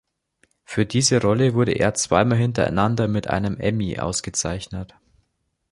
Für diese Rolle wurde er zweimal hintereinander mit einem Emmy ausgezeichnet.